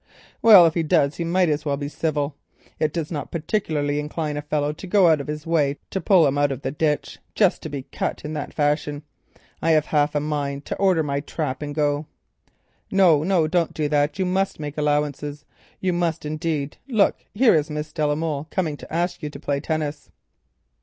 "Well if he does he might as well be civil. It does not particularly incline a fellow to go aside to pull him out of the ditch, just to be cut in that fashion—I have half a mind to order my trap and go." "No, no, don't do that—you must make allowances, you must indeed—look, here is Miss de la Molle coming to ask you to play tennis."